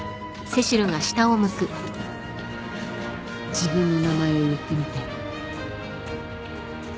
自分の名前を言ってみて。